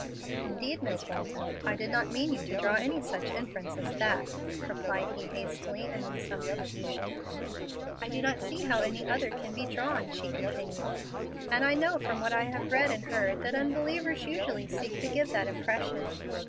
"Indeed, Miss Walton, I did not mean you to draw any such inference as that," replied he, hastily and in some confusion. "I do not see how any other can be drawn," she continued; "and I know from what I have read and heard that unbelievers usually seek to give that impression.